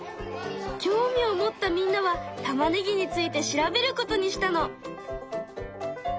興味を持ったみんなはたまねぎについて調べることにしたの。